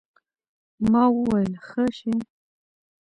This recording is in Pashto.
ما وويل ښه شى.